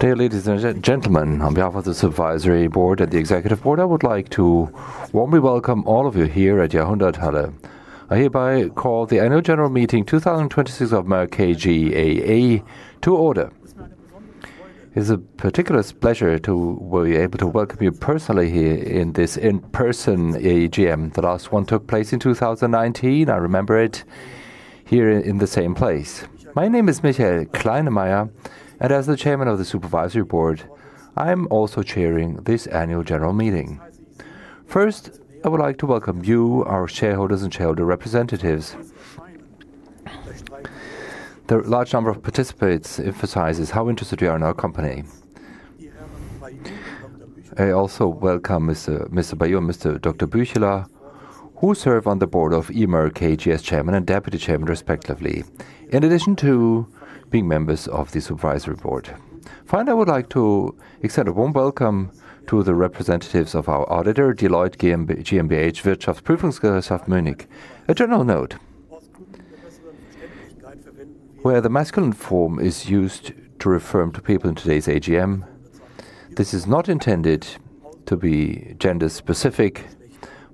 Dear ladies and gentlemen, on behalf of the Supervisory Board and the Executive Board, I would like to warmly welcome all of you here at Jahrhunderthalle. I hereby call the Annual General Meeting 2026 of Merck KGaA to order. It's a particular pleasure to be able to welcome you personally here in this in-person AGM. The last one took place in 2019, I remember it, here in the same place. My name is Michael Kleinemeier, and as the Chairman of the Supervisory Board, I am also chairing this Annual General Meeting. First, I would like to welcome you, our shareholders and shareholder representatives. The large number of participants emphasizes how interested you are in our company. I also welcome Mr. Baillou and Mr. Dr. Büchele, who serve on the Board of Merck KGaA as Chairman and Deputy Chairman respectively, in addition to being members of the Supervisory Board. Finally, I would like to extend a warm welcome to the representatives of our auditor, Deloitte GmbH Wirtschaftsprüfungsgesellschaft Munich. A general note. Where the masculine form is used to refer to people in today's AGM, this is not intended to be gender specific,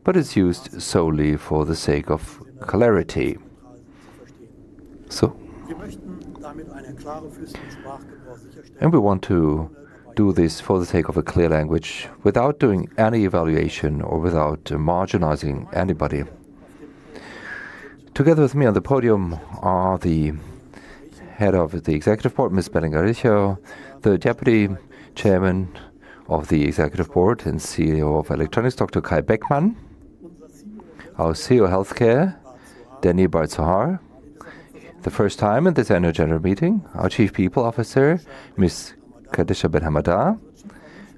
but is used solely for the sake of clarity. We want to do this for the sake of a clear language without doing any evaluation or without marginalizing anybody. Together with me on the podium are the Head of the Executive Board, Ms. Belén Garijo, the Deputy Chairman of the Executive Board and CEO of Electronics, Dr. Kai Beckmann. Our CEO of Healthcare, Danny Bar-Zohar. The first time at this Annual General Meeting, our Chief People Officer, Ms. Khadija Ben Hammada.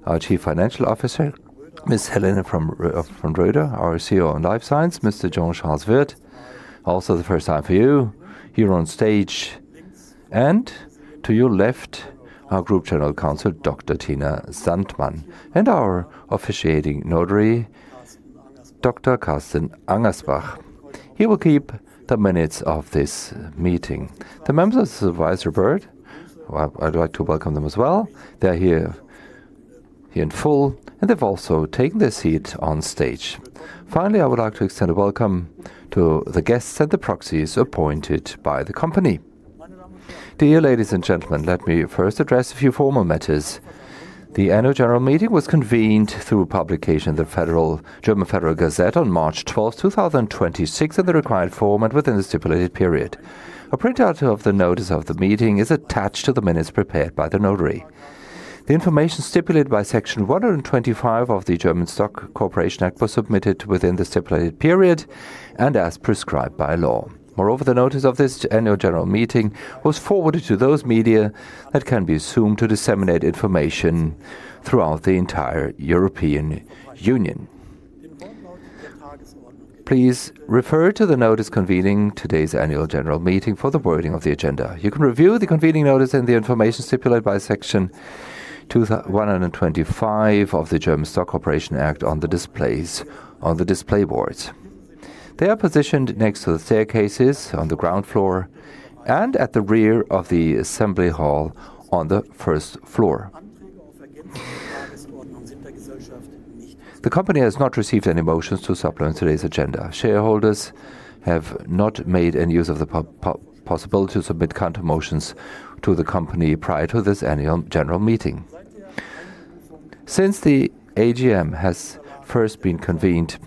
Our Chief Financial Officer, Ms. Helene von Roeder. Our CEO Life Science, Mr. Jean-Charles Wirth. Also the first time for you here on stage and to your left, our Group General Counsel, Dr. Tina Sandmann, and our officiating notary, Dr. Carsten Angersbach. He will keep the minutes of this meeting. The members of the Supervisory Board, I'd like to welcome them as well. They're here in full, and they've also taken their seat on stage. Finally, I would like to extend a welcome to the guests and the proxies appointed by the company. Dear ladies and gentlemen, let me first address a few formal matters. The Annual General Meeting was convened through a publication in the Federal Gazette on March 12, 2026, in the required form and within the stipulated period. A printout of the notice of the meeting is attached to the minutes prepared by the notary. The information stipulated by Section 125 of the German Stock Corporation Act was submitted within the stipulated period and as prescribed by law. Moreover, the notice of this Annual General Meeting was forwarded to those media that can be assumed to disseminate information throughout the entire European Union. Please refer to the notice convening today's Annual General Meeting for the wording of the agenda. You can review the convening notice and the information stipulated by Section 125 of the German Stock Corporation Act on the display boards. They are positioned next to the staircases on the ground floor and at the rear of the assembly hall on the first floor. The company has not received any motions to supplement today's agenda. Shareholders have not made any use of the possibility to submit countermotions to the company prior to this Annual General Meeting. Since the AGM has first been convened,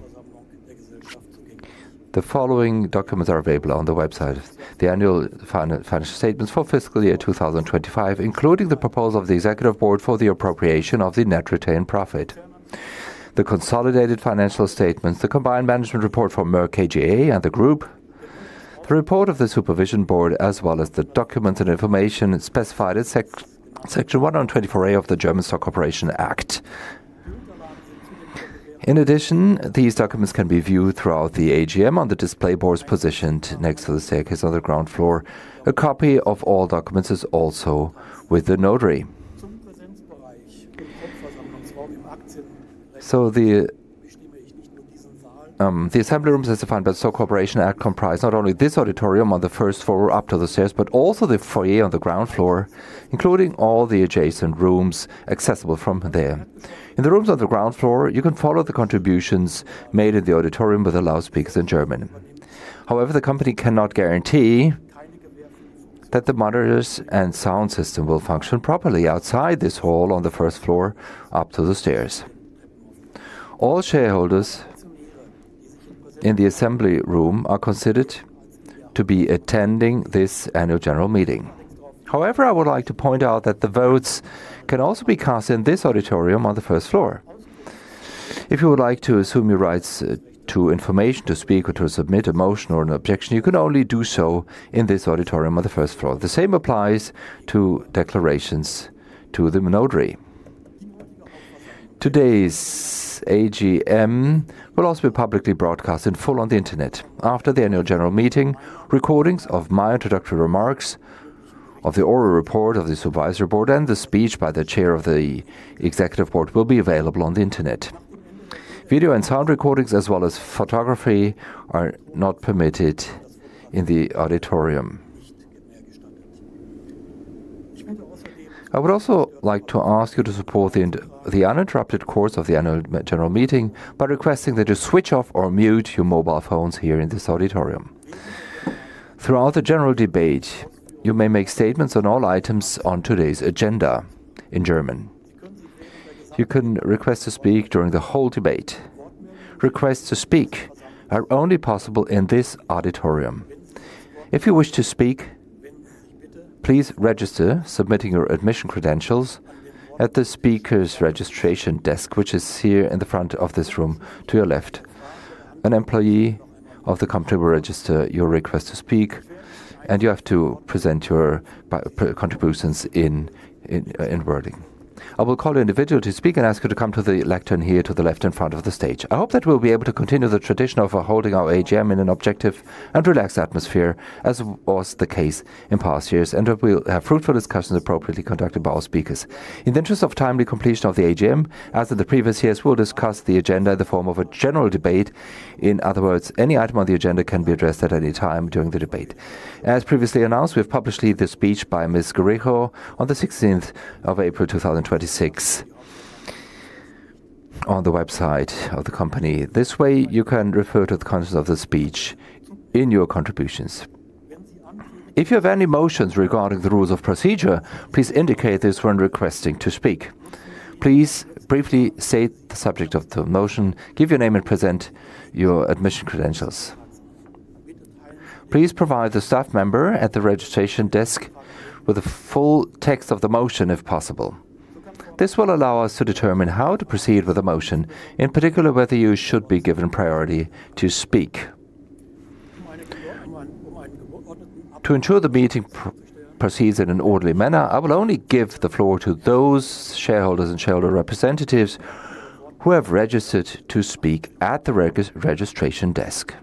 the following documents are available on the website: the annual financial statements for fiscal year 2025, including the proposal of the Executive Board for the appropriation of the net retained profit; the consolidated financial statements; the combined management report for Merck KGaA and the group; the report of the Supervision Board; as well as the documents and information specified in Section 124a of the German Stock Corporation Act. In addition, these documents can be viewed throughout the AGM on the display boards positioned next to the staircase on the ground floor. A copy of all documents is also with the notary. The assembly rooms as defined by the Stock Corporation Act comprise not only this auditorium on the first floor up to the stairs, but also the foyer on the ground floor, including all the adjacent rooms accessible from there. In the rooms on the ground floor, you can follow the contributions made in the auditorium with the loudspeakers in German. However, the company cannot guarantee that the monitors and sound system will function properly outside this hall on the first floor up to the stairs. All shareholders in the assembly room are considered to be attending this Annual General Meeting. However, I would like to point out that the votes can also be cast in this auditorium on the first floor. If you would like to assume your rights to information, to speak, or to submit a motion or an objection, you can only do so in this auditorium on the first floor. The same applies to declarations to the notary. Today's AGM will also be publicly broadcast in full on the internet. After the Annual General Meeting, recordings of my introductory remarks, of the oral report of the Supervisory Board, and the speech by the Chair of the Executive Board will be available on the internet. Video and sound recordings as well as photography are not permitted in the auditorium. I would also like to ask you to support the uninterrupted course of the Annual General Meeting by requesting that you switch off or mute your mobile phones here in this auditorium. Throughout the general debate, you may make statements on all items on today's agenda in German. You can request to speak during the whole debate. Requests to speak are only possible in this auditorium. If you wish to speak, please register submitting your admission credentials at the speaker's registration desk, which is here in the front of this room to your left. An employee of the company will register your request to speak, and you have to present your contributions in wording. I will call you individually to speak and ask you to come to the lectern here to the left in front of the stage. I hope that we'll be able to continue the tradition of holding our AGM in an objective and relaxed atmosphere, as was the case in past years, and that we'll have fruitful discussions appropriately conducted by all speakers. In the interest of timely completion of the AGM, as in the previous years, we'll discuss the agenda in the form of a general debate. In other words, any item on the agenda can be addressed at any time during the debate. As previously announced, we have published the speech by Ms. Belén Garijo on the 16th of April 2026 on the website of the company. This way you can refer to the contents of the speech in your contributions. If you have any motions regarding the rules of procedure, please indicate this when requesting to speak. Please briefly state the subject of the motion, give your name, and present your admission credentials. Please provide the staff member at the registration desk with a full text of the motion if possible. This will allow us to determine how to proceed with the motion, in particular, whether you should be given priority to speak. To ensure the meeting proceeds in an orderly manner, I will only give the floor to those shareholders and shareholder representatives who have registered to speak at the registration desk.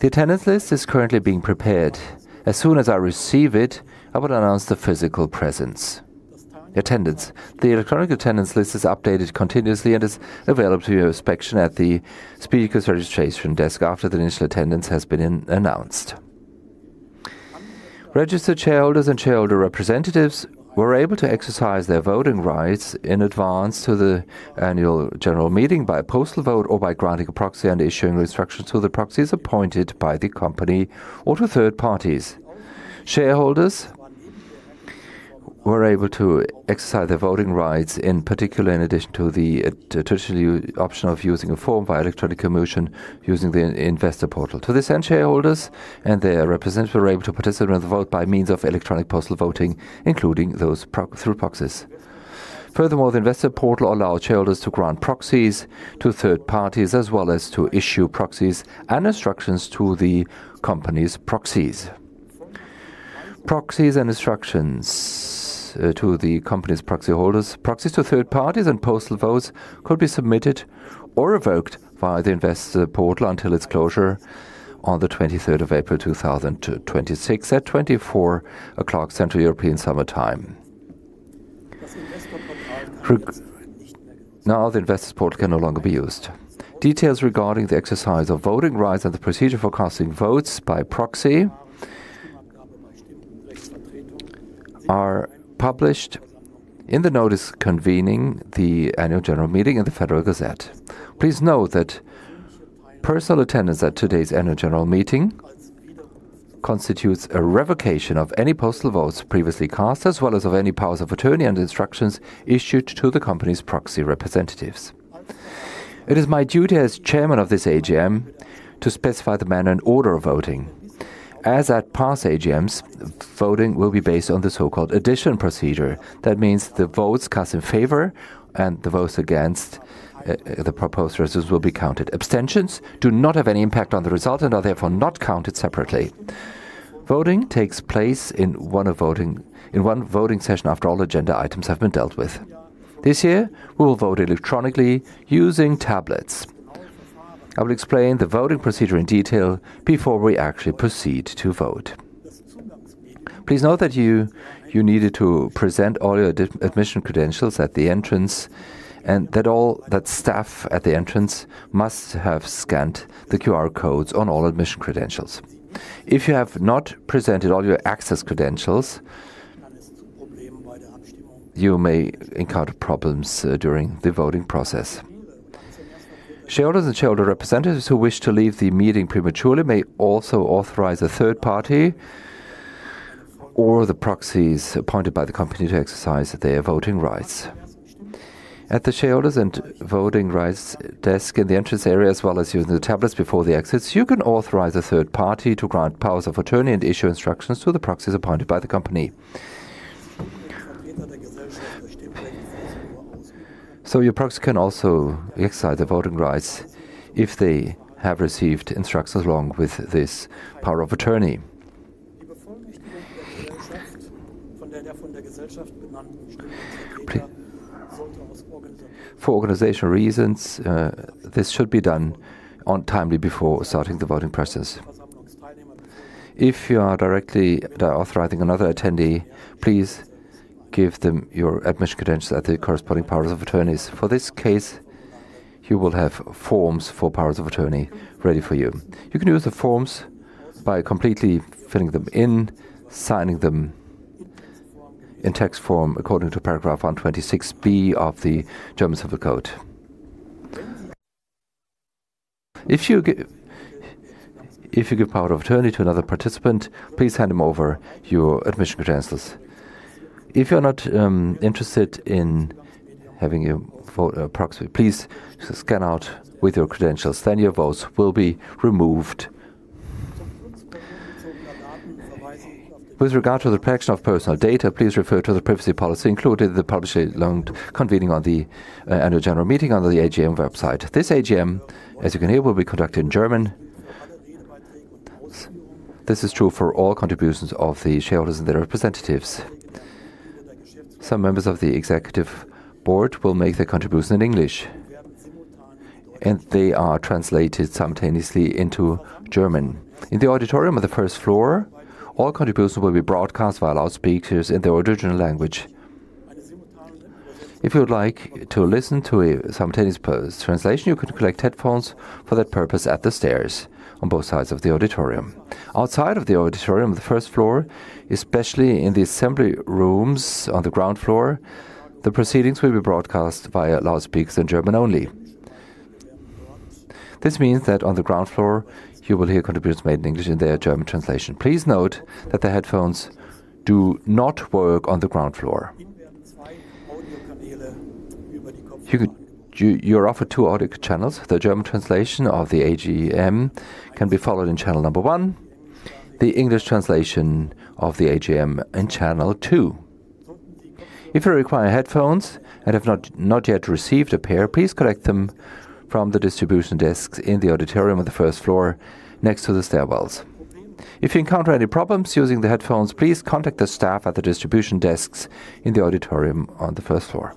The attendance list is currently being prepared. As soon as I receive it, I will announce the physical presence. Attendance. The electronic attendance list is updated continuously and is available to your inspection at the speaker's registration desk after the initial attendance has been announced. Registered shareholders and shareholder representatives were able to exercise their voting rights in advance to the Annual General Meeting by postal vote or by granting a proxy and issuing instructions to the proxies appointed by the company or to third parties. Shareholders were able to exercise their voting rights, in particular, in addition to the traditional option of using a form via electronic communication using the investor portal. To this end, shareholders and their representatives were able to participate in the vote by means of electronic postal voting, including those through proxies. Furthermore, the investor portal allowed shareholders to grant proxies to third parties, as well as to issue proxies and instructions to the company's proxies. Proxies and instructions to the company's proxy holders. Proxies to third parties and postal votes could be submitted or revoked via the investor portal until its closure on the 23rd of April 2026 at 24:00 Central European Summer Time. Now the investor portal can no longer be used. Details regarding the exercise of voting rights and the procedure for casting votes by proxy are published in the notice convening the Annual General Meeting in the Federal Gazette. Please note that personal attendance at today's Annual General Meeting constitutes a revocation of any postal votes previously cast, as well as of any powers of attorney and instructions issued to the company's proxy representatives. It is my duty as chairman of this AGM to specify the manner and order of voting. As at past AGMs, voting will be based on the so-called addition procedure. That means the votes cast in favor and the votes against the proposed results will be counted. Abstentions do not have any impact on the result and are therefore not counted separately. Voting takes place in one voting session after all agenda items have been dealt with. This year, we will vote electronically using tablets. I will explain the voting procedure in detail before we actually proceed to vote. Please note that you needed to present all your admission credentials at the entrance and that all staff at the entrance must have scanned the QR codes on all admission credentials. If you have not presented all your access credentials, you may encounter problems during the voting process. Shareholders and shareholder representatives who wish to leave the meeting prematurely may also authorize a third party or the proxies appointed by the company to exercise their voting rights. At the shareholders and voting rights desk in the entrance area, as well as using the tablets before the exits, you can authorize a third party to grant powers of attorney and issue instructions to the proxies appointed by the company. Your proxy can also exercise the voting rights if they have received instructions along with this power of attorney. For organizational reasons, this should be done timely before starting the voting process. If you are directly authorizing another attendee, please give them your admission credentials at the corresponding powers of attorney. For this case, you will have forms for powers of attorney ready for you. You can use the forms by completely filling them in, signing them in text form according to paragraph 126b of the German Civil Code. If you give power of attorney to another participant, please hand them over your admission credentials. If you're not interested in having a proxy, please scan out with your credentials, your votes will be removed. With regard to the protection of personal data, please refer to the privacy policy included in the publicly loaned convening on the Annual General Meeting under the AGM website. This AGM, as you can hear, will be conducted in German. This is true for all contributions of the shareholders and their representatives. Some members of the Executive Board will make their contribution in English, they are translated simultaneously into German. In the auditorium on the first floor, all contributions will be broadcast via loudspeakers in their original language. If you would like to listen to a simultaneous post translation, you could collect headphones for that purpose at the stairs on both sides of the auditorium. Outside of the auditorium on the first floor, especially in the assembly rooms on the ground floor, the proceedings will be broadcast via loudspeakers in German only. This means that on the ground floor, you will hear contributions made in English and their German translation. Please note that the headphones do not work on the ground floor. You're offered two audio channels. The German translation of the AGM can be followed in channel number one, the English translation of the AGM in channel two. If you require headphones and have not yet received a pair, please collect them from the distribution desks in the auditorium on the first floor next to the stairwells. If you encounter any problems using the headphones, please contact the staff at the distribution desks in the auditorium on the first floor.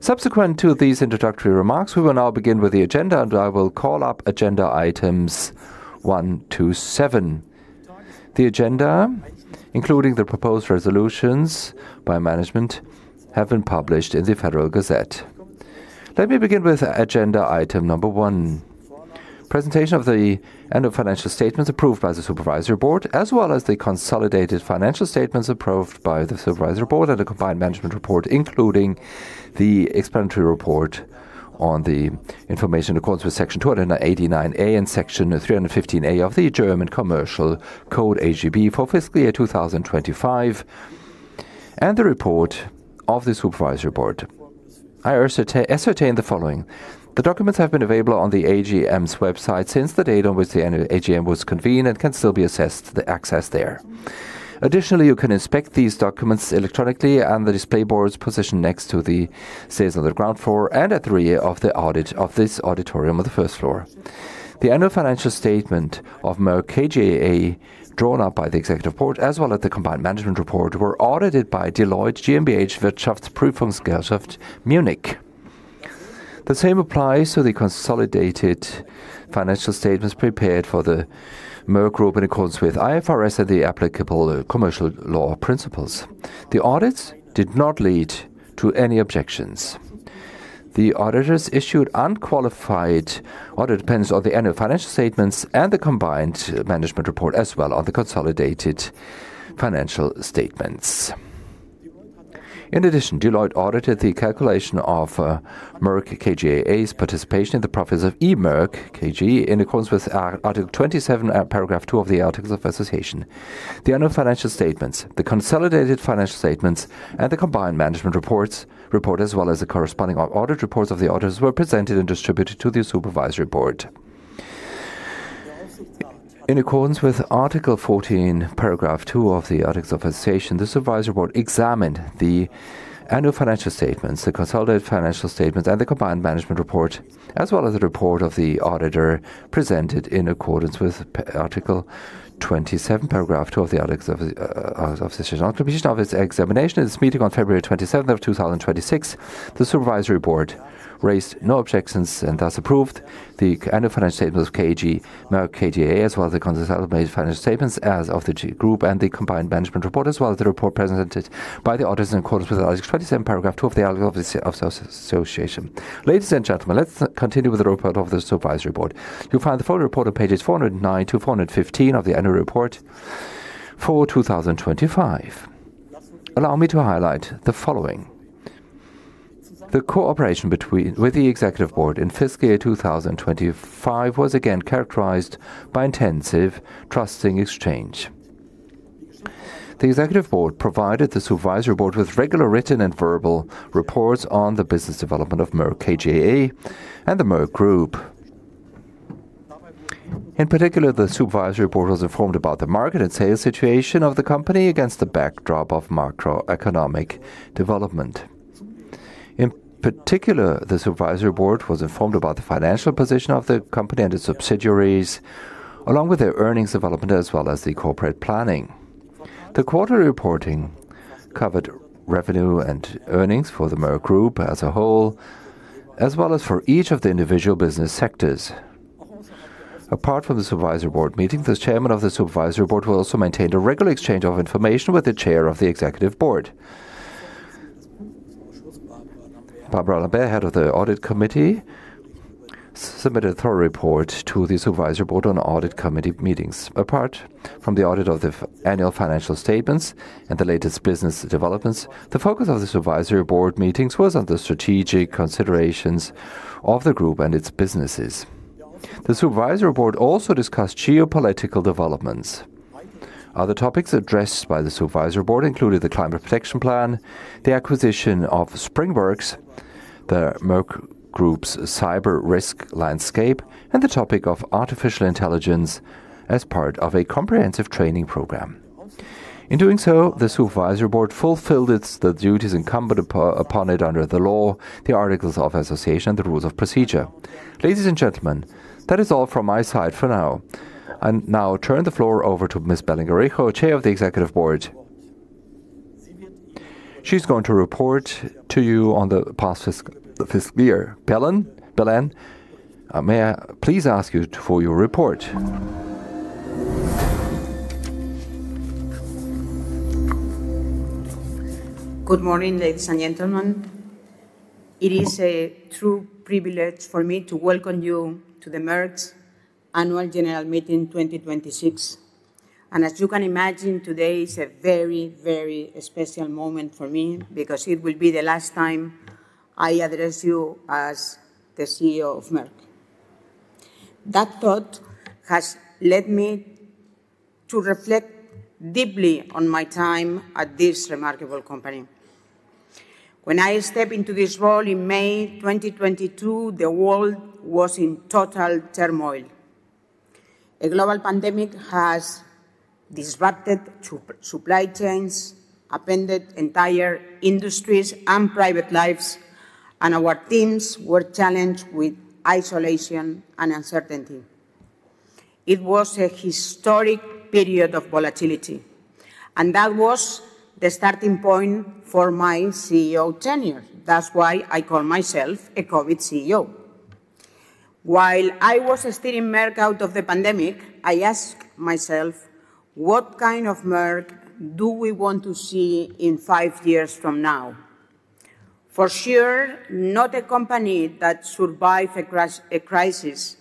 Subsequent to these introductory remarks, we will now begin with the agenda, and I will call up agenda items 1-7. The agenda, including the proposed resolutions by management, have been published in the Federal Gazette. Let me begin with agenda item number one. Presentation of the annual financial statements approved by the Supervisory Board, as well as the consolidated financial statements approved by the Supervisory Board and a combined management report, including the explanatory report on the information in accordance with Section 289a and Section 315a of the German Commercial Code HGB for fiscal year 2025, and the report of the Supervisory Board. I ascertain the following. The documents have been available on the AGM's website since the date on which the AGM was convened and can still be accessed there. Additionally, you can inspect these documents electronically on the display boards positioned next to the stairs on the ground floor and at the rear of this auditorium on the first floor. The annual financial statement of Merck KGaA, drawn up by the Executive Board as well as the combined management report, were audited by Deloitte GmbH Wirtschaftsprüfungsgesellschaft, Munich. The same applies to the consolidated financial statements prepared for the Merck Group in accordance with IFRS and the applicable commercial law principles. The audits did not lead to any objections. The auditors issued unqualified audit opinions of the annual financial statements and the combined management report, as well on the consolidated financial statements. In addition, Deloitte audited the calculation of Merck KGaA's participation in the profits of E. Merck KG in accordance with Article 27, paragraph two of the articles of association. The annual financial statements, the consolidated financial statements, and the combined management reports, as well as the corresponding audit reports of the auditors were presented and distributed to the Supervisory Board. In accordance with Article 14, paragraph two of the articles of association, the Supervisory Board examined the annual financial statements, the consolidated financial statements, and the combined management report, as well as the report of the auditor presented in accordance with Article 27, paragraph two of the articles of association. On completion of its examination at its meeting on February 27, 2026, the Supervisory Board raised no objections and thus approved the annual financial statements of Merck KGaA, as well as the consolidated financial statements as of the Group and the combined management report, as well as the report presented by the auditors in accordance with Article 27, paragraph two of the article of association. Ladies and gentlemen, let's continue with the report of the Supervisory Board. You'll find the full report on Pages 409-415 of the annual report for 2025. Allow me to highlight the following. The cooperation with the Executive Board in fiscal year 2025 was again characterized by intensive trusting exchange. The Executive Board provided the Supervisory Board with regular written and verbal reports on the business development of Merck KGaA and the Merck Group. In particular, the Supervisory Board was informed about the market and sales situation of the company against the backdrop of macroeconomic development. In particular, the Supervisory Board was informed about the financial position of the company and its subsidiaries, along with their earnings development, as well as the corporate planning. The quarter reporting covered revenue and earnings for the Merck Group as a whole, as well as for each of the individual business sectors. Apart from the Supervisory Board meeting, the Chairman of the Supervisory Board will also maintain a regular exchange of information with the Chair of the Executive Board. Barbara Lambert, Head of the Audit Committee, submitted a thorough report to the Supervisory Board on Audit Committee meetings. Apart from the audit of the annual financial statements and the latest business developments, the focus of the Supervisory Board meetings was on the strategic considerations of the group and its businesses. The Supervisory Board also discussed geopolitical developments. Other topics addressed by the Supervisory Board included the Climate Protection Plan, the acquisition of SpringWorks, the Merck Group's cyber risk landscape, and the topic of artificial intelligence as part of a comprehensive training program. In doing so, the Supervisory Board fulfilled its duties incumbent upon it under the law, the articles of association, the rules of procedure. Ladies and gentlemen, that is all from my side for now. I now turn the floor over to Ms. Garijo, Chair of the Executive Board. She's going to report to you on the past fiscal year. Belén, may I please ask you for your report? Good morning, ladies and gentlemen. It is a true privilege for me to welcome you to the Merck Annual General Meeting 2026. As you can imagine, today is a very, very special moment for me because it will be the last time I address you as the CEO of Merck. That thought has led me to reflect deeply on my time at this remarkable company. When I stepped into this role in May 2022, the world was in total turmoil. A global pandemic has disrupted supply chains, upended entire industries and private lives, our teams were challenged with isolation and uncertainty. It was a historic period of volatility, that was the starting point for my CEO tenure. That's why I call myself a COVID CEO. While I was steering Merck out of the pandemic, I asked myself, What kind of Merck do we want to see in five years from now? For sure, not a company that survived a crisis,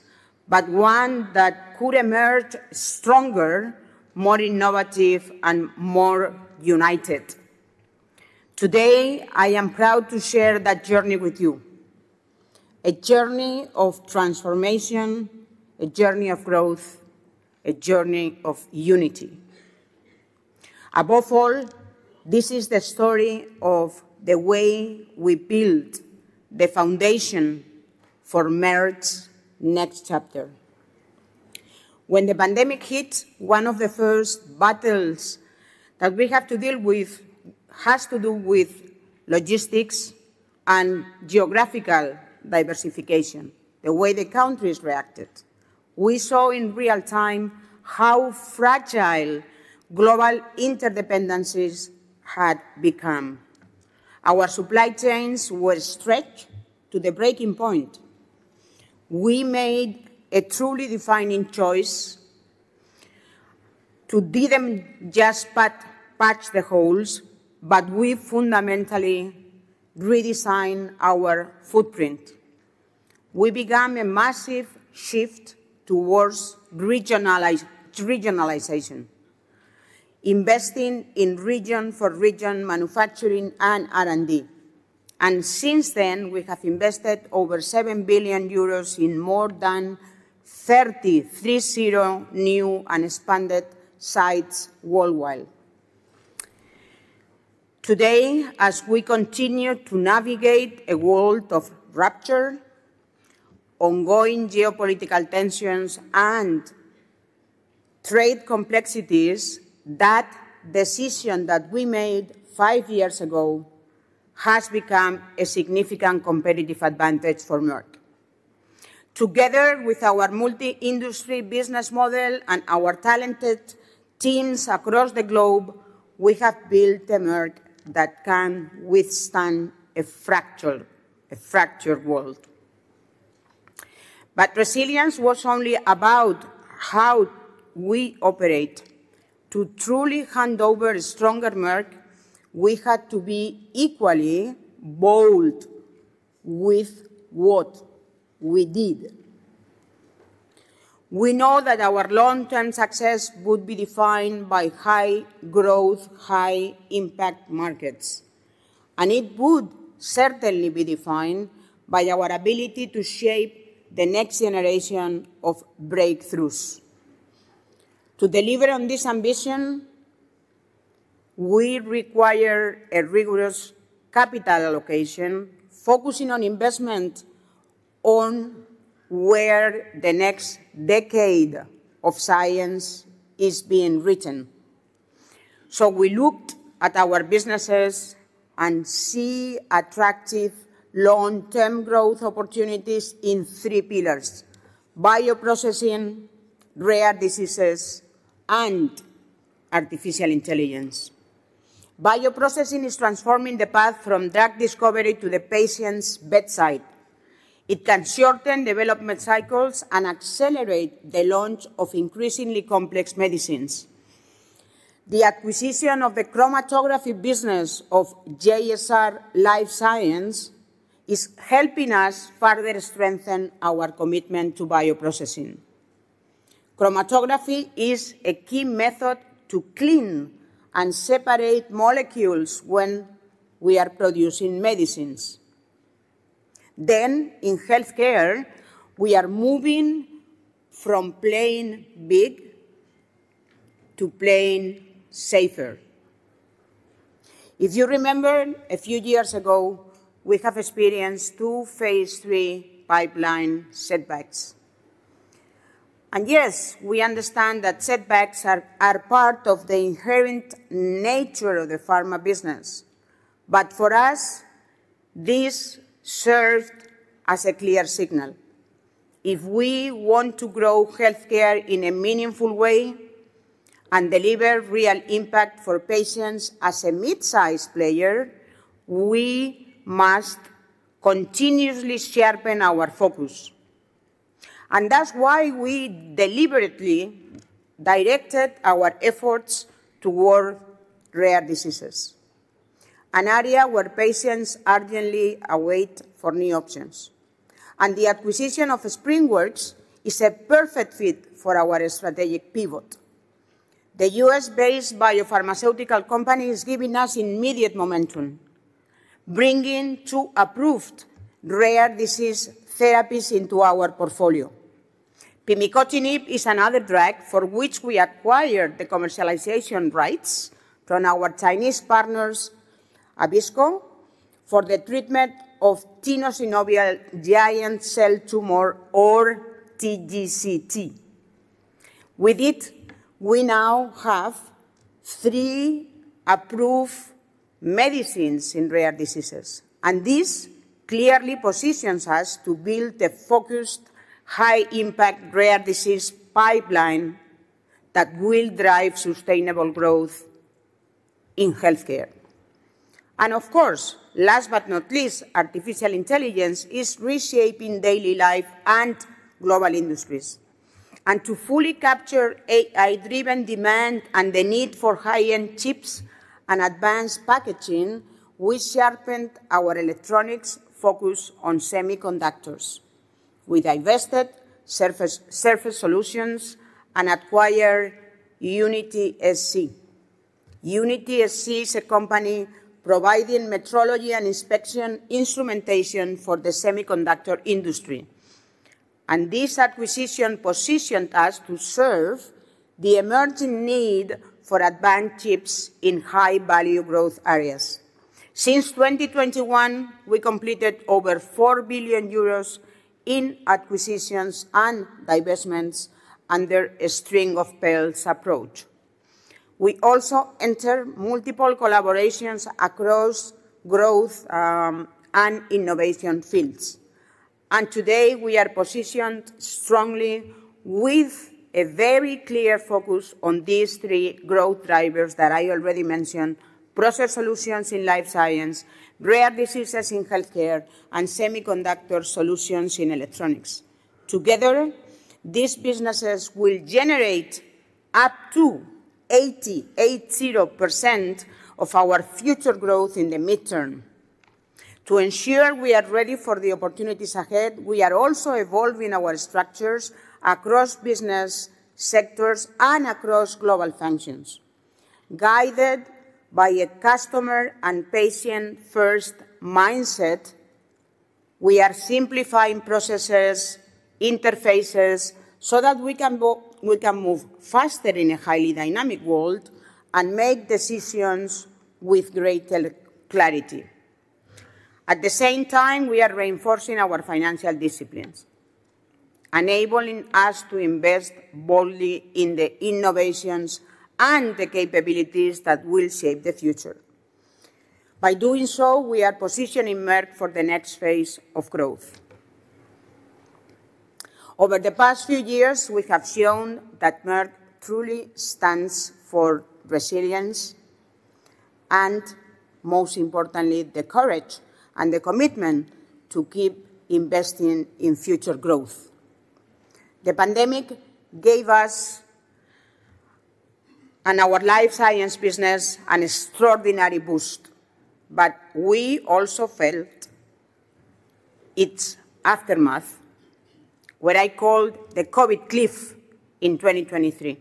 but one that could emerge stronger, more innovative, and more united. Today, I am proud to share that journey with you. A journey of transformation, a journey of growth, a journey of unity. Above all, this is the story of the way we built the foundation for Merck's next chapter. When the pandemic hit, one of the first battles that we have to deal with has to do with logistics and geographical diversification, the way the countries reacted. We saw in real time how fragile global interdependencies had become. Our supply chains were stretched to the breaking point. We made a truly defining choice to didn't just patch the holes, but we fundamentally redesigned our footprint. We began a massive shift towards regionalization, investing in region for region manufacturing and R&D. Since then, we have invested over 7 billion euros in more than 30 new and expanded sites worldwide. Today, as we continue to navigate a world of rupture, ongoing geopolitical tensions, and trade complexities, that decision that we made five years ago has become a significant competitive advantage for Merck. Together with our multi-industry business model and our talented teams across the globe, we have built a Merck that can withstand a fractured world. Resilience was only about how we operate. To truly hand over a stronger Merck, we had to be equally bold with what we did. We know that our long-term success would be defined by high growth, high impact markets, and it would certainly be defined by our ability to shape the next generation of breakthroughs. To deliver on this ambition, we require a rigorous capital allocation, focusing on investment on where the next decade of science is being written. We looked at our businesses and see attractive long-term growth opportunities in three pillars. Bioprocessing, rare diseases, and artificial intelligence. Bioprocessing is transforming the path from drug discovery to the patient's bedside. It can shorten development cycles and accelerate the launch of increasingly complex medicines. The acquisition of the chromatography business of JSR Life Sciences is helping us further strengthen our commitment to bioprocessing. Chromatography is a key method to clean and separate molecules when we are producing medicines. In healthcare, we are moving from playing big to playing safer. If you remember, a few years ago, we have experienced two phase III pipeline setbacks. Yes, we understand that setbacks are part of the inherent nature of the pharma business. For us, this served as a clear signal. If we want to grow healthcare in a meaningful way and deliver real impact for patients as a mid-sized player, we must continuously sharpen our focus. That's why we deliberately directed our efforts toward rare diseases, an area where patients urgently await for new options. The acquisition of SpringWorks Therapeutics is a perfect fit for our strategic pivot. The U.S.-based biopharmaceutical company is giving us immediate momentum, bringing two approved rare disease therapies into our portfolio. Pimicotinib is another drug for which we acquired the commercialization rights from our Chinese partners, Abbisko, for the treatment of Tenosynovial Giant Cell Tumor or TGCT. With it, we now have three approved medicines in rare diseases, this clearly positions us to build a focused, high-impact rare disease pipeline that will drive sustainable growth in healthcare. Of course, last but not least, artificial intelligence is reshaping daily life and global industries. To fully capture AI-driven demand and the need for high-end chips and advanced packaging, we sharpened our Electronics focus on semiconductors. We divested Surface Solutions and acquired UnitySC. UnitySC is a company providing metrology and inspection instrumentation for the semiconductor industry. This acquisition positioned us to serve the emerging need for advanced chips in high-value growth areas. Since 2021, we completed over 4 billion euros in acquisitions and divestments under a string of pearls approach. We also enter multiple collaborations across growth and innovation fields. Today, we are positioned strongly with a very clear focus on these three growth drivers that I already mentioned, Process Solutions in Life Science, rare diseases in Healthcare, and Semiconductor Solutions in Electronics. Together, these businesses will generate up to 80% of our future growth in the midterm. To ensure we are ready for the opportunities ahead, we are also evolving our structures across business sectors and across global functions. Guided by a customer and patient-first mindset, we are simplifying processes, interfaces, so that we can move faster in a highly dynamic world and make decisions with greater clarity. At the same time, we are reinforcing our financial disciplines, enabling us to invest boldly in the innovations and the capabilities that will shape the future. By doing so, we are positioning Merck for the next phase of growth. Over the past few years, we have shown that Merck truly stands for resilience, and most importantly, the courage and the commitment to keep investing in future growth. The pandemic gave us and our Life Science business an extraordinary boost, we also felt its aftermath, what I called the COVID cliff in 2023.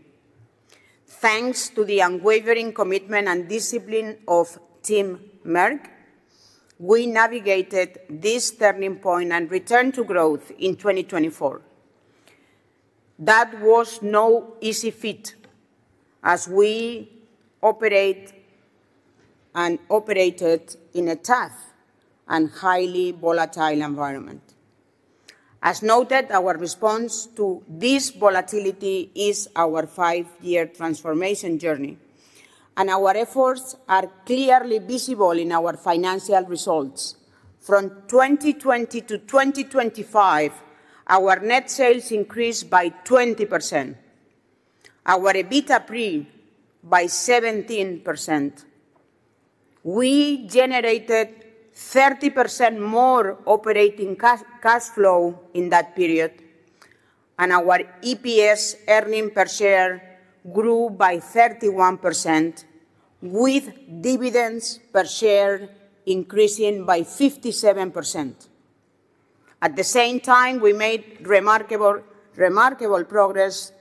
Thanks to the unwavering commitment and discipline of Team Merck, we navigated this turning point and returned to growth in 2024. That was no easy feat as we operate and operated in a tough and highly volatile environment. As noted, our response to this volatility is our five-year transformation journey. Our efforts are clearly visible in our financial results. From 2020-2025, our net sales increased by 20%, and our EBITDA pre increased by 17%. We generated 30% more operating cash flow in that period. Our EPS earning per share grew by 31%, with dividends per share increasing by 57%. At the same time, we made remarkable progress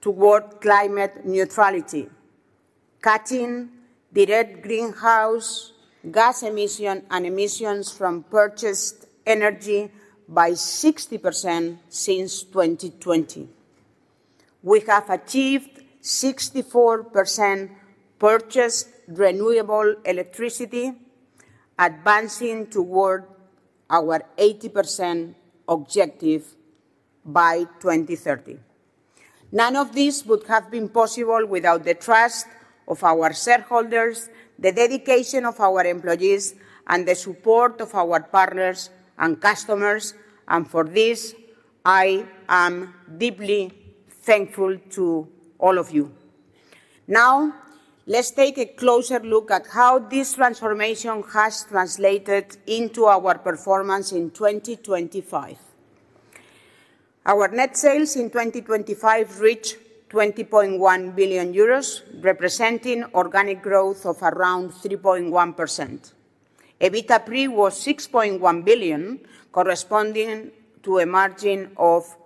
toward climate neutrality, cutting the net greenhouse gas emission and emissions from purchased energy by 60% since 2020. We have achieved 64% purchased renewable electricity, advancing toward our 80% objective by 2030. None of this would have been possible without the trust of our shareholders, the dedication of our employees, and the support of our partners and customers. For this, I am deeply thankful to all of you. Now, let's take a closer look at how this transformation has translated into our performance in 2025. Our net sales in 2025 reached 20.1 billion euros, representing organic growth of around 3.1%. EBITDA pre was 6.1 billion, corresponding to a margin of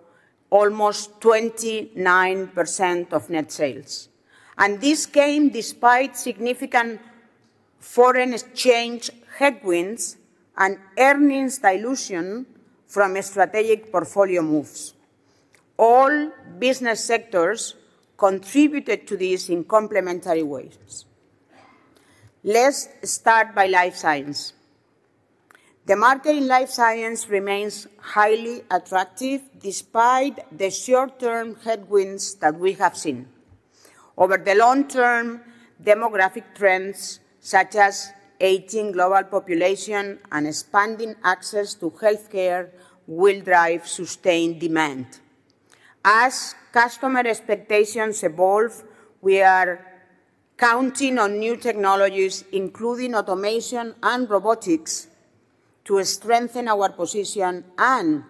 almost 29% of net sales. This came despite significant foreign exchange headwinds and earnings dilution from strategic portfolio moves. All business sectors contributed to this in complementary ways. Let's start by Life Science. The market in Life Science remains highly attractive despite the short-term headwinds that we have seen. Over the long-term, demographic trends such as aging global population and expanding access to healthcare will drive sustained demand. As customer expectations evolve, we are counting on new technologies, including automation and robotics, to strengthen our position and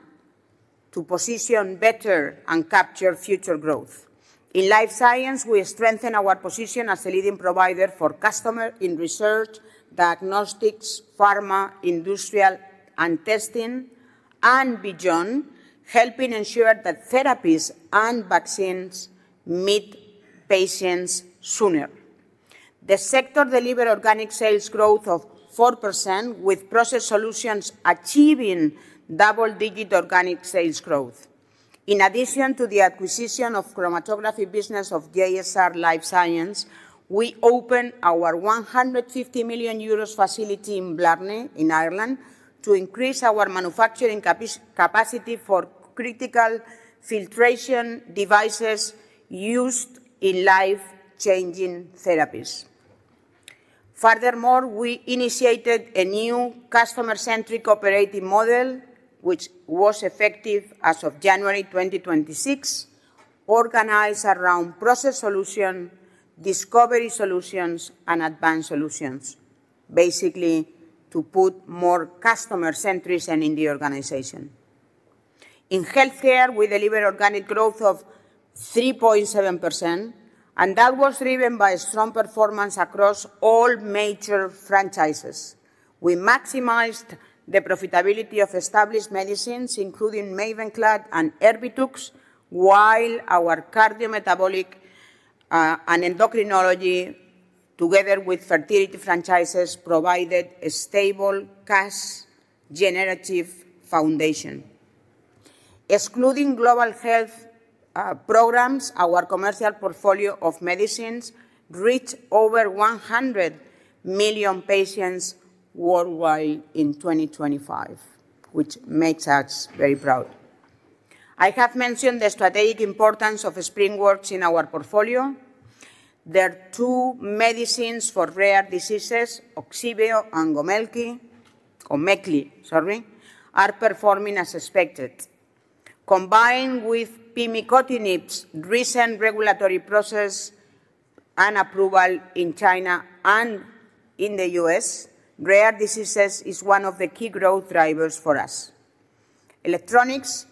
to position better and capture future growth. In Life Science, we strengthen our position as a leading provider for customer in research, diagnostics, pharma, industrial, and testing, and beyond, helping ensure that therapies and vaccines meet patients sooner. The sector delivered organic sales growth of 4%, with Process Solutions achieving double-digit organic sales growth. In addition to the acquisition of chromatography business of JSR Life Sciences, we opened our 150 million euros facility in Blarney in Ireland to increase our manufacturing capacity for critical filtration devices used in life-changing therapies. Furthermore, we initiated a new customer-centric operating model, which was effective as of January 2026, organized around Process Solutions, Discovery Solutions, and Advanced Solutions, basically to put more customer centrization in the organization. In Healthcare, we deliver organic growth of 3.7%, and that was driven by a strong performance across all major franchises. We maximized the profitability of established medicines, incl`uding MAVENCLAD and ERBITUX, while our cardiometabolic and endocrinology, together with fertility franchises, provided a stable cash generative foundation. Excluding global health programs, our commercial portfolio of medicines reached over 100 million patients worldwide in 2025, which makes us very proud. I have mentioned the strategic importance of SpringWorks Therapeutics in our portfolio. Their two medicines for rare diseases, OGSIVEO and MAVENCLAD, are performing as expected. Combined with pimicotinib's recent regulatory process and approval in China and in the U.S., rare diseases is one of the key growth drivers for us. Electronics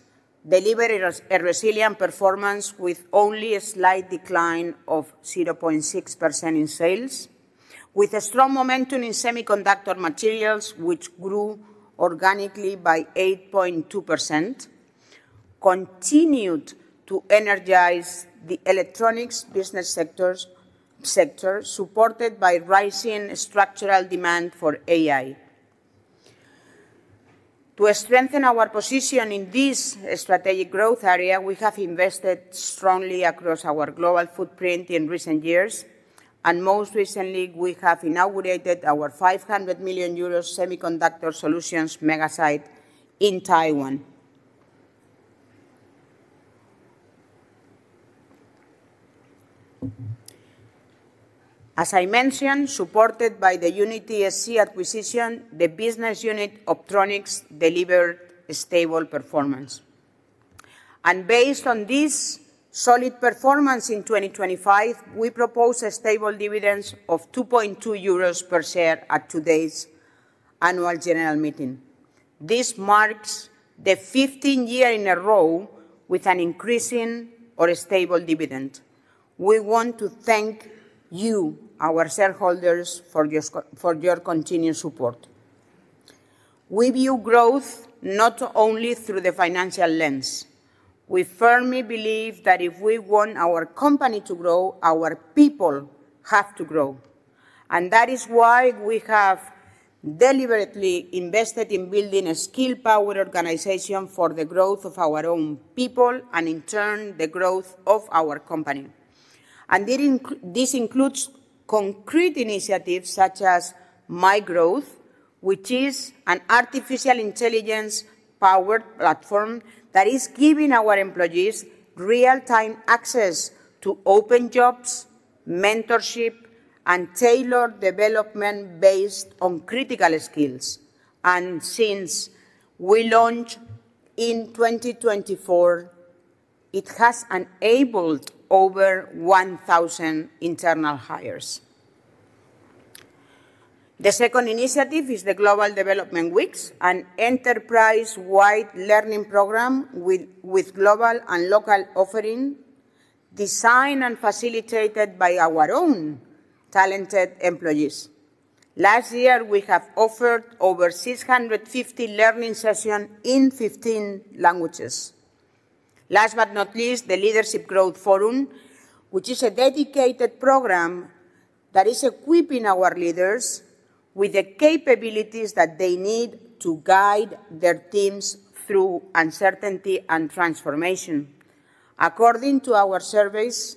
delivered a resilient performance with only a slight decline of 0.6% in sales. With a strong momentum in semiconductor materials, which grew organically by 8.2%, continued to energize the Electronics business sector, supported by rising structural demand for AI. To strengthen our position in this strategic growth area, we have invested strongly across our global footprint in recent years, and most recently, we have inaugurated our 500 million euros semiconductor solutions mega site in Taiwan. As I mentioned, supported by the UnitySC acquisition, the business unit Optronics delivered a stable performance. Based on this solid performance in 2025, we propose a stable dividends of 2.2 euros per share at today's Annual General Meeting. This marks the 15 year in a row with an increasing or a stable dividend. We want to thank you, our shareholders, for your continued support. We view growth not only through the financial lens. We firmly believe that if we want our company to grow, our people have to grow. That is why we have deliberately invested in building a skill-powered organization for the growth of our own people and in turn, the growth of our company. This includes concrete initiatives such as MyGrowth, which is an artificial intelligence-powered platform that is giving our employees real-time access to open jobs, mentorship, and tailored development based on critical skills. Since we launched in 2024, it has enabled over 1,000 internal hires. The second initiative is the Global Development Weeks, an enterprise-wide learning program with global and local offering, designed and facilitated by our own talented employees. Last year, we have offered over 650 learning session in 15 languages. Last but not least, the Leadership Growth Forum, which is a dedicated program that is equipping our leaders with the capabilities that they need to guide their teams through uncertainty and transformation. According to our surveys,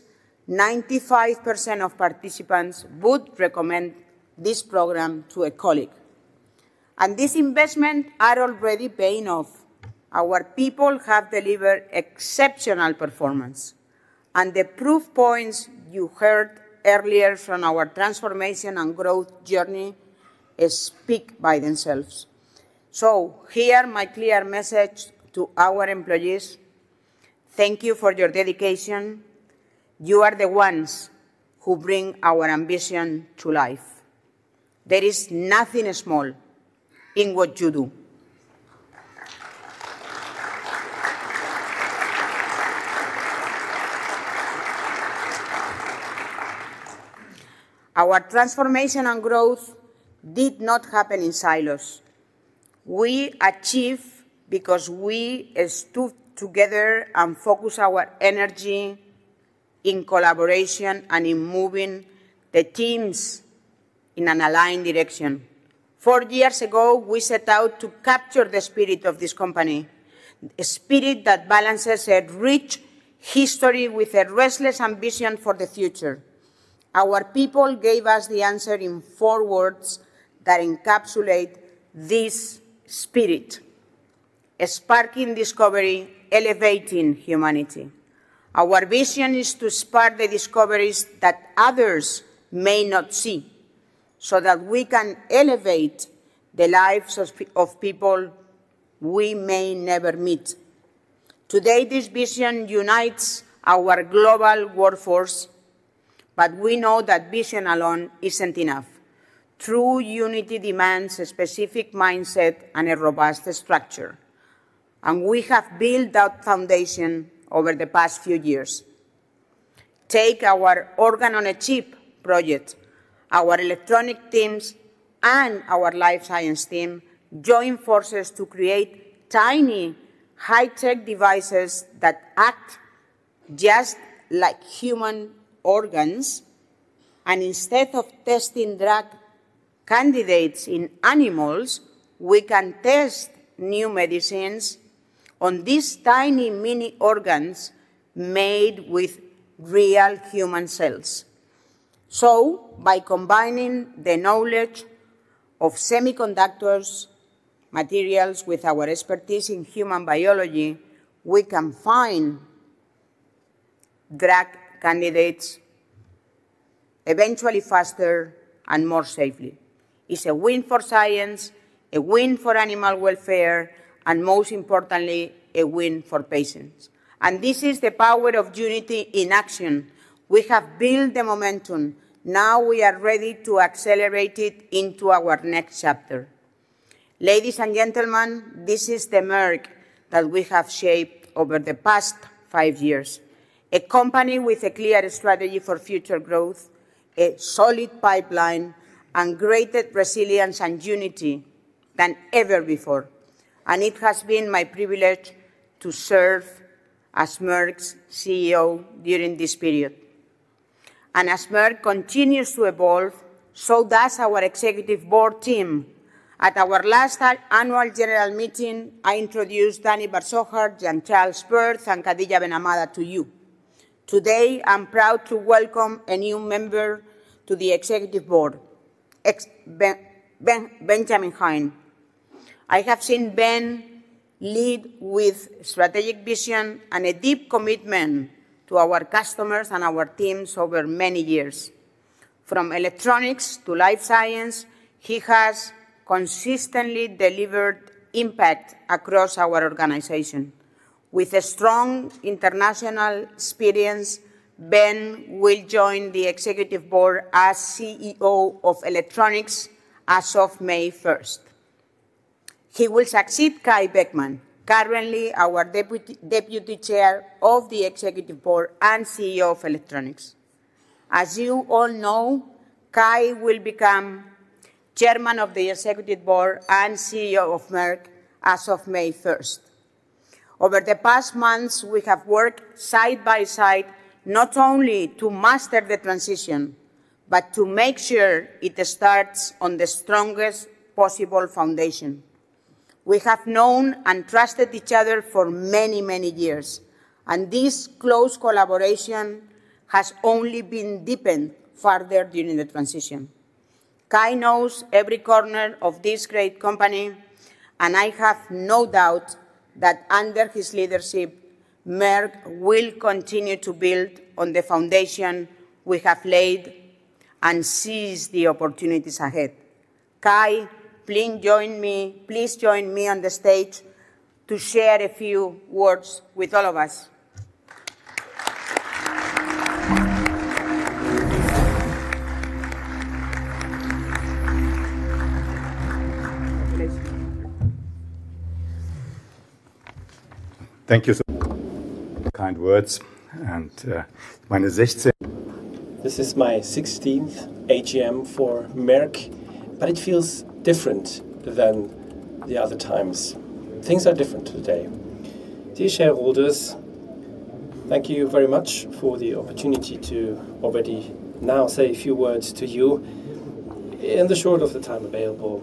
95% of participants would recommend this program to a colleague. This investment are already paying off. Our people have delivered exceptional performance, and the proof points you heard earlier from our transformation and growth journey, speak by themselves. Here my clear message to our employees, thank you for your dedication. You are the ones who bring our ambition to life. There is nothing small in what you do. Our transformation and growth did not happen in silos. We achieve because we stood together and focus our energy in collaboration and in moving the teams in an aligned direction. Four years ago, we set out to capture the spirit of this company, a spirit that balances a rich history with a restless ambition for the future. Our people gave us the answer in four words that encapsulate this spirit: Sparking discovery, elevating humanity. Our vision is to spark the discoveries that others may not see, so that we can elevate the lives of people we may never meet. Today, this vision unites our global workforce, we know that vision alone isn't enough. True unity demands a specific mindset and a robust structure, we have built that foundation over the past few years. Take our Organ-on-a-Chip project. Our electronic teams and our Life Science team join forces to create tiny high-tech devices that act just like human organs. Instead of testing drug candidates in animals, we can test new medicines on these tiny mini organs made with real human cells. By combining the knowledge of semiconductors materials with our expertise in human biology, we can find drug candidates eventually faster and more safely. It's a win for science, a win for animal welfare, and most importantly, a win for patients. This is the power of unity in action. We have built the momentum. Now we are ready to accelerate it into our next chapter. Ladies and gentlemen, this is the Merck that we have shaped over the past five years. A company with a clear strategy for future growth, a solid pipeline, and greater resilience and unity than ever before. It has been my privilege to serve as Merck's CEO during this period. As Merck continues to evolve, so does our Executive Board team. At our last Annual General Meeting, I introduced Danny Bar-Zohar, Jean-Charles Wirth, and Khadija Ben Hammada to you. Today, I'm proud to welcome a new member to the Executive Board, Benjamin Hein. I have seen Ben lead with strategic vision and a deep commitment to our customers and our teams over many years. From Electronics to Life Science, he has consistently delivered impact across our organization. With a strong international experience, Ben will join the Executive Board as CEO of Electronics as of May first. He will succeed Kai Beckmann, currently our Deputy Chair of the Executive Board and CEO of Electronics. As you all know, Kai will become Chairman of the Executive Board and CEO of Merck as of May first. Over the past months, we have worked side by side not only to master the transition, but to make sure it starts on the strongest possible foundation. We have known and trusted each other for many, many years. This close collaboration has only been deepened further during the transition. Kai knows every corner of this great company. I have no doubt that under his leadership, Merck will continue to build on the foundation we have laid and seize the opportunities ahead. Kai, please join me on the stage to share a few words with all of us. Thank you kind words. This is my 16th AGM for Merck, but it feels different than the other times. Things are different today. Dear shareholders, thank you very much for the opportunity to already now say a few words to you. In the short of the time available,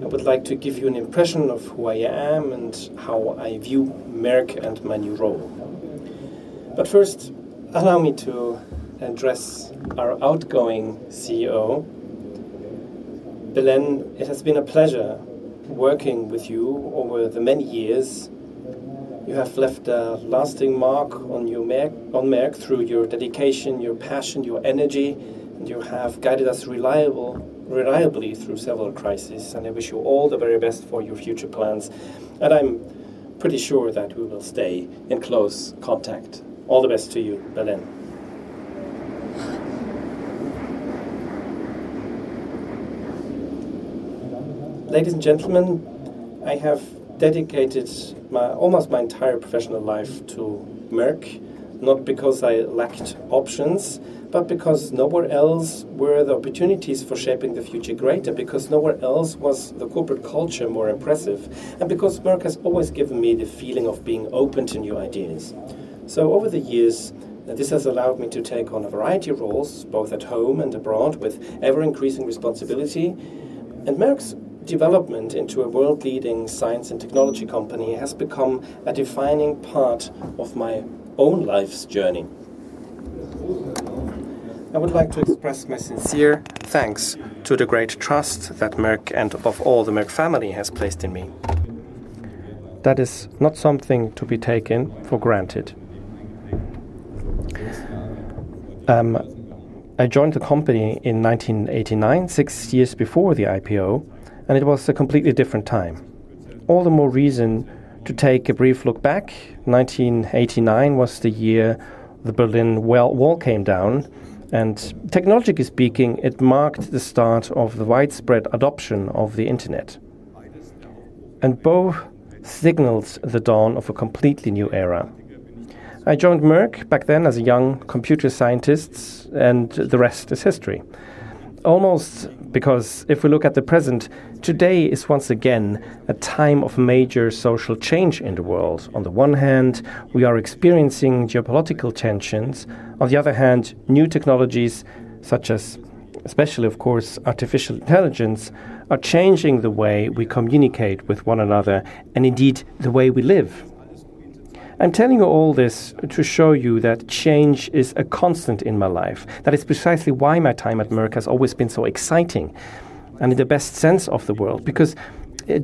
I would like to give you an impression of who I am and how I view Merck and my new role. First, allow me to address our outgoing CEO. Belén, it has been a pleasure working with you over the many years. You have left a lasting mark on Merck through your dedication, your passion, your energy, and you have guided us reliably through several crises, and I wish you all the very best for your future plans. I'm pretty sure that we will stay in close contact. All the best to you, Belén. Ladies and gentlemen, I have dedicated my, almost my entire professional life to Merck, not because I lacked options, but because nowhere else were the opportunities for shaping the future greater, because nowhere else was the corporate culture more impressive, and because Merck has always given me the feeling of being open to new ideas. Over the years, this has allowed me to take on a variety of roles, both at home and abroad, with ever-increasing responsibility. Merck's development into a world-leading science and technology company has become a defining part of my own life's journey. I would like to express my sincere thanks to the great trust that Merck and above all, the Merck family has placed in me. That is not something to be taken for granted. I joined the company in 1989, six years before the IPO, and it was a completely different time. All the more reason to take a brief look back. 1989 was the year the Berlin Wall came down, and technologically speaking, it marked the start of the widespread adoption of the internet. Both signaled the dawn of a completely new era. I joined Merck back then as a young computer scientist, and the rest is history. Almost because if we look at the present, today is once again a time of major social change in the world. On the one hand, we are experiencing geopolitical tensions. On the other hand, new technologies such as, especially of course, artificial intelligence, are changing the way we communicate with one another, and indeed, the way we live. I'm telling you all this to show you that change is a constant in my life. That is precisely why my time at Merck has always been so exciting, and in the best sense of the world, because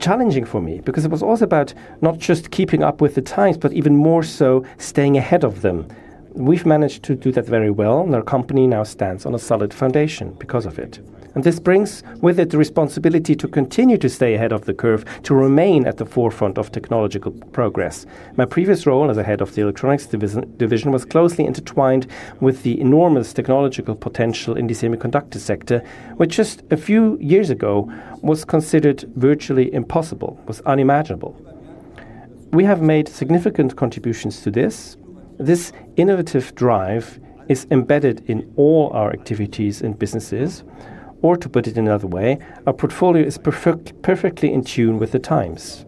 challenging for me, because it was also about not just keeping up with the times, but even more so staying ahead of them. We've managed to do that very well, and our company now stands on a solid foundation because of it. This brings with it the responsibility to continue to stay ahead of the curve, to remain at the forefront of technological progress. My previous role as the head of the Electronics division was closely intertwined with the enormous technological potential in the semiconductor sector, which just a few years ago was considered virtually impossible, was unimaginable. We have made significant contributions to this. This innovative drive is embedded in all our activities and businesses, or to put it another way, our portfolio is perfect, perfectly in tune with the times.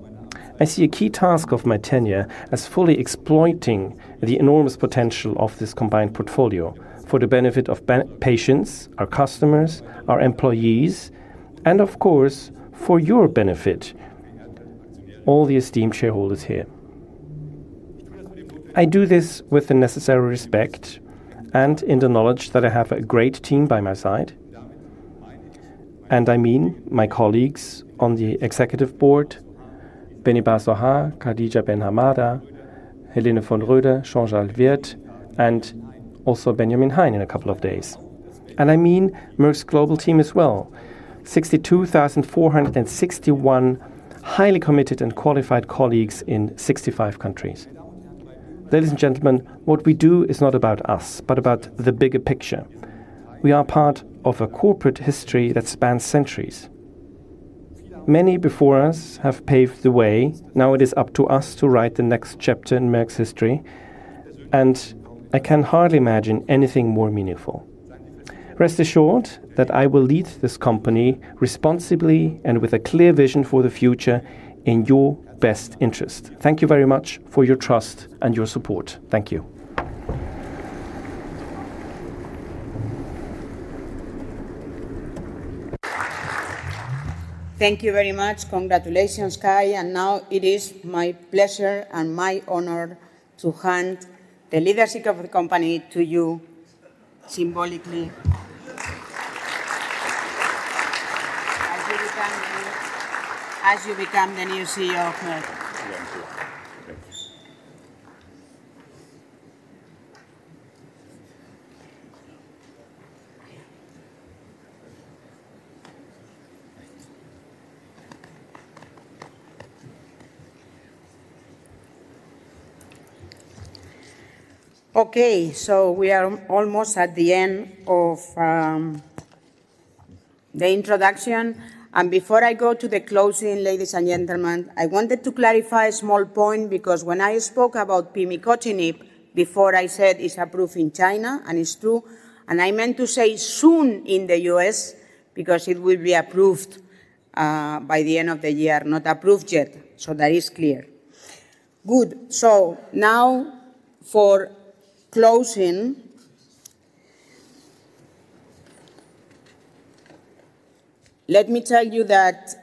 I see a key task of my tenure as fully exploiting the enormous potential of this combined portfolio for the benefit of patients, our customers, our employees, and of course, for your benefit, all the esteemed shareholders here. I do this with the necessary respect and in the knowledge that I have a great team by my side. I mean my colleagues on the Executive Board, Danny Bar-Zohar, Khadija Ben Hammada, Helene von Roeder, Jean-Charles Wirth, and also Benjamin Hein in a couple of days. I mean Merck's global team as well, 62,461 highly committed and qualified colleagues in 65 countries. Ladies and gentlemen, what we do is not about us, but about the bigger picture. We are part of a corporate history that spans centuries. Many before us have paved the way. Now it is up to us to write the next chapter in Merck's history, and I can hardly imagine anything more meaningful. Rest assured that I will lead this company responsibly and with a clear vision for the future in your best interest. Thank you very much for your trust and your support. Thank you. Thank you very much. Congratulations, Kai. Now it is my pleasure and my honor to hand the leadership of the company to you symbolically. Yes. -as you become the new CEO of Merck. Thank you. We are almost at the end of the introduction. Before I go to the closing, ladies and gentlemen, I wanted to clarify a small point because when I spoke about pimicotinib, before I said it's approved in China, and it's true, and I meant to say soon in the U.S. because it will be approved by the end of the year. Not approved yet, that is clear. Good. Now for closing. Let me tell you that,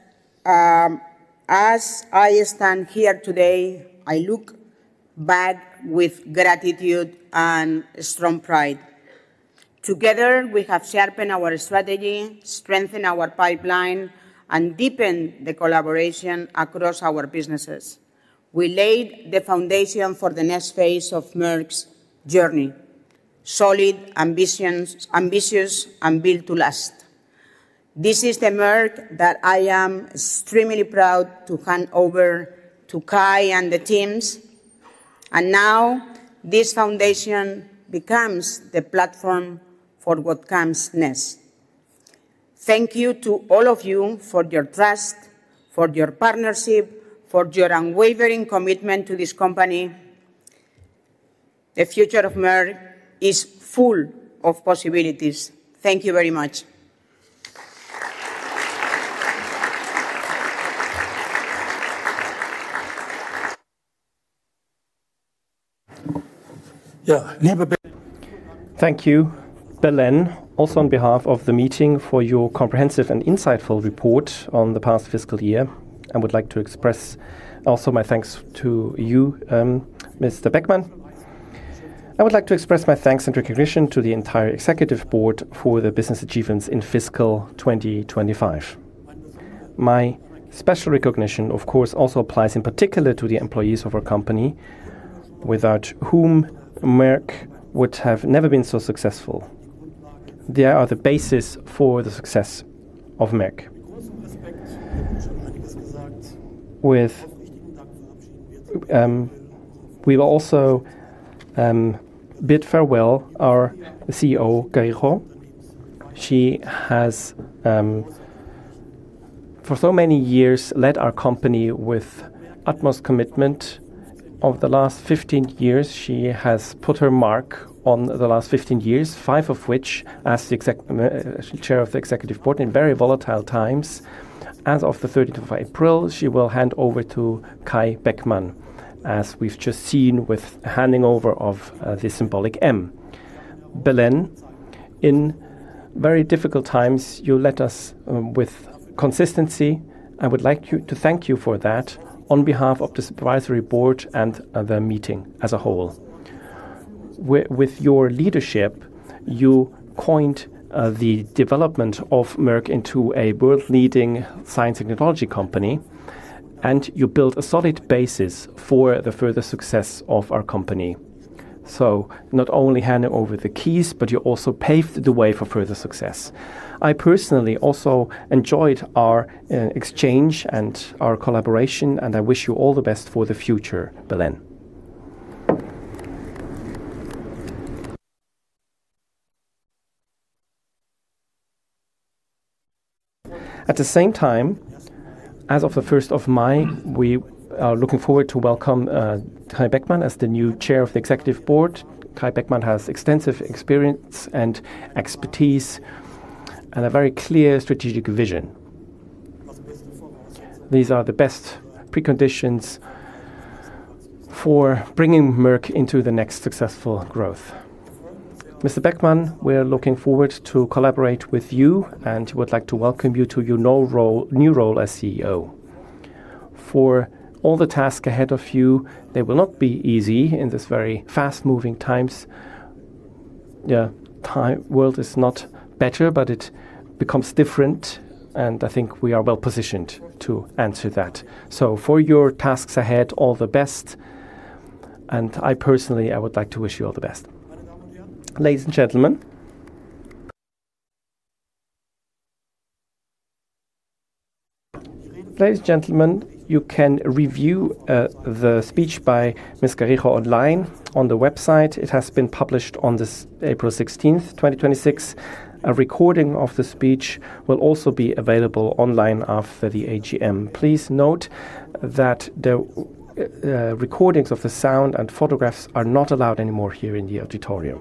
as I stand here today, I look back with gratitude and strong pride. Together, we have sharpened our strategy, strengthened our pipeline, and deepened the collaboration across our businesses. We laid the foundation for the next phase of Merck's journey, solid, ambitious, and built to last. This is the Merck that I am extremely proud to hand over to Kai and the teams, and now this foundation becomes the platform for what comes next. Thank you to all of you for your trust, for your partnership, for your unwavering commitment to this company. The future of Merck is full of possibilities. Thank you very much. Thank you, Belén, also on behalf of the meeting for your comprehensive and insightful report on the past fiscal year. I would like to express also my thanks to you, Mr. Beckmann. I would like to express my thanks and recognition to the entire Executive Board for the business achievements in Fiscal 2025. My special recognition, of course, also applies in particular to the employees of our company, without whom Merck would have never been so successful. They are the basis for the success of Merck. We will also bid farewell our CEO, Belén Garijo. She has for so many years led our company with utmost commitment. Over the last 15 years, she has put her mark on the last 15 years, five of which as the Chair of the Executive Board in very volatile times. As of the 30th of April, she will hand over to Kai Beckmann, as we've just seen with handing over of the symbolic M. Belén, in very difficult times, you led us with consistency. I would like to thank you for that on behalf of the Supervisory Board and the meeting as a whole. With your leadership, you coined the development of Merck into a world-leading science and technology company, and you built a solid basis for the further success of our company. Not only handing over the keys, but you also paved the way for further success. I personally also enjoyed our exchange and our collaboration, and I wish you all the best for the future, Belén. At the same time, as of the first of May, we are looking forward to welcome Kai Beckmann as the new Chair of the Executive Board. Kai Beckmann has extensive experience and expertise and a very clear strategic vision. These are the best preconditions for bringing Merck into the next successful growth. Mr. Beckmann, we are looking forward to collaborate with you and would like to welcome you to your new role as CEO. For all the tasks ahead of you, they will not be easy in this very fast-moving times. Yeah, world is not better, but it becomes different, and I think we are well-positioned to answer that. For your tasks ahead, all the best, and I personally, I would like to wish you all the best. Ladies and gentlemen. Ladies, gentlemen, you can review the speech by Ms. Garijo online on the website. It has been published on this April 16th, 2026. A recording of the speech will also be available online after the AGM. Please note that the recordings of the sound and photographs are not allowed anymore here in the auditorium.